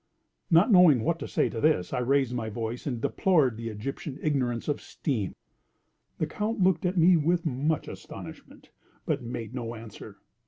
Not knowing what to say to this, I raised my voice, and deplored the Egyptian ignorance of steam. The Count looked at me with much astonishment, but made no answer.